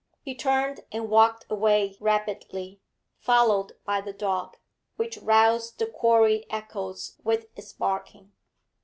He turned and walked away rapidly, followed by the dog, which roused the quarry echoes with its barking.